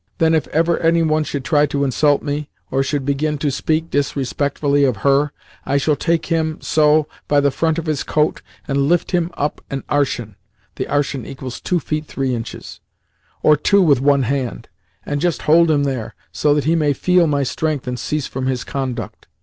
Then, if ever any one should try to insult me or should begin to speak disrespectfully of HER, I shall take him so, by the front of his coat, and lift him up an arshin [The arshin = 2 feet 3 inches.] or two with one hand, and just hold him there, so that he may feel my strength and cease from his conduct.